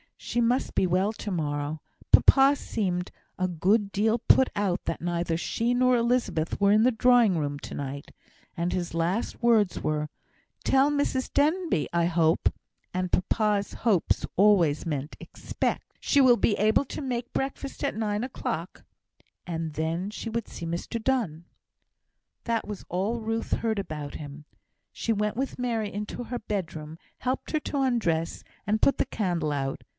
She must be well to morrow. Papa seemed a good deal put out that neither she nor Elizabeth were in the drawing room to night; and his last words were, "Tell Mrs Denbigh I hope" (and papa's "hopes" always meant "expect") "she will be able to make breakfast at nine o'clock;" and then she would see Mr Donne. That was all Ruth heard about him. She went with Mary into her bedroom, helped her to undress, and put the candle out.